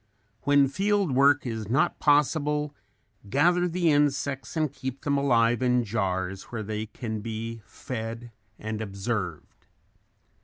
When field work is not possible, gather the insects and keep them alive in jars where they can be fed and observed.